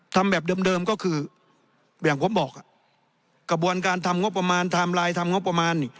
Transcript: ทำแบบเดิมก็คืออย่างผมบอกกระบวนการทำงบประมาณไทม์ไลน์ทำงบประมาณนี่